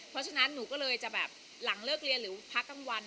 เพราะฉะนั้นหนูก็เลยจะแบบหลังเลิกเรียนหรือพักกลางวัน